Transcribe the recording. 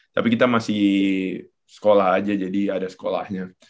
tapi kita masih sekolah aja jadi ada sekolahnya